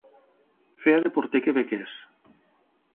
Feia de porter quebequès.